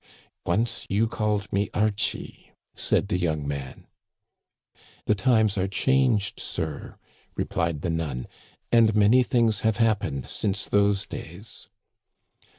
" Once you called me Archie," said the young man. The times are changed, sir," replied the nun, " and many things have happened since those days."